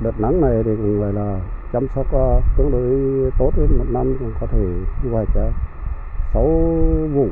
đợt nắng này thì người là chăm sóc tương đối tốt hơn một năm cũng có thể như vậy cho sáu vùng